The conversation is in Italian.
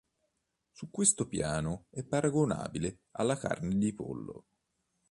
Su questo piano è paragonabile alla carne di pollo.